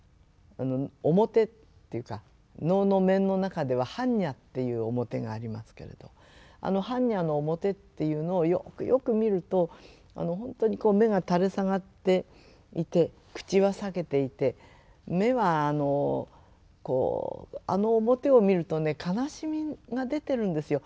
面っていうか能の面の中では般若っていう面がありますけれどあの般若の面っていうのをよくよく見るとほんとに目が垂れ下がっていて口は裂けていて目はあのあの面を見るとね悲しみが出てるんですよ。